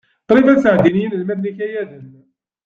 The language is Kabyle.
Qrib ad sɛeddin yinelmaden ikayaden.